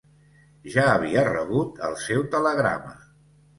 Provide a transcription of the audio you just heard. Ja havia rebut el seu telegrama.